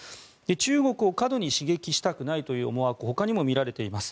中国を過度に刺激したくないという思惑ほかにも見られています。